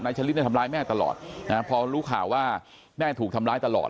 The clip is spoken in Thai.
ชะลิดเนี่ยทำร้ายแม่ตลอดนะพอรู้ข่าวว่าแม่ถูกทำร้ายตลอด